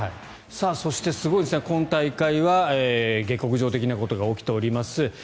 そしてすごいですね、今大会は下克上的なことが起きております。